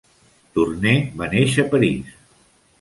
Tourneux va néixer a París.